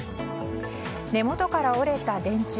根元から折れた電柱。